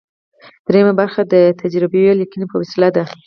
دریمه برخه د تجربوي لیکنې په وسیله ده.